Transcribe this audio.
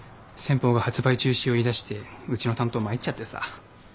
先方が発売中止を言いだしてうちの担当参っちゃってさ。